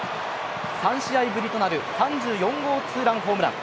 ３試合ぶりとなる３４号ツーランホームラン。